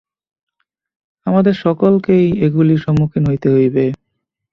আমাদের সকলকেই এগুলির সম্মুখীন হইতে হইবে।